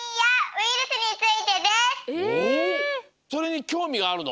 それにきょうみがあるの？